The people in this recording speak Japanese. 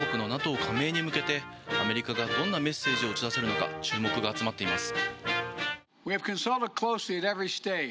北欧２か国のＮＡＴＯ加盟に向けてアメリカがどんなメッセージを打ち出すのか注目が集まっています。